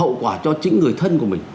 hậu quả cho chính người thân của mình